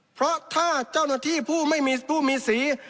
เพราะถ้าเจ้าหน้าที่ผู้ไม่มีผู้มีสี